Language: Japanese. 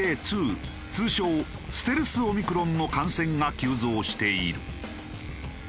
通称ステルス・オミクロンの感染が急増している。